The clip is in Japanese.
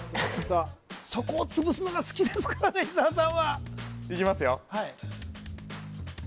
そこを潰すのが好きですからね伊沢さんはいきますよ